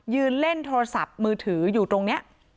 ยืนเล่นโทรศัพท์มือถืออยู่ตรงนี้